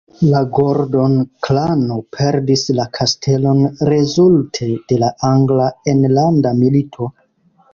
La Gordon-klano perdis la kastelon rezulte de la angla enlanda milito.